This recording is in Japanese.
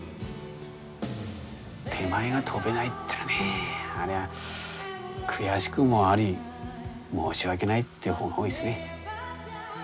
手前が飛べないっていうのはねありゃ悔しくもあり申し訳ないっていう方が多いですね。